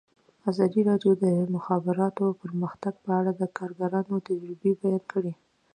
ازادي راډیو د د مخابراتو پرمختګ په اړه د کارګرانو تجربې بیان کړي.